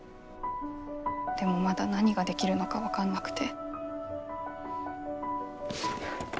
でもまだ何ができるのか分かんなくて。